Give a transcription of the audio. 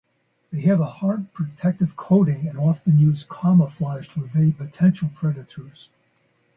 They have a hard protective coating and often use camouflage to evade potential predators.